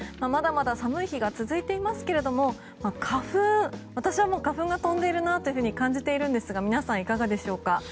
まだまだ寒い日が続いていますけど花粉、私はもう花粉が飛んでいるなと感じているんですが皆さん、いかがでしょうか？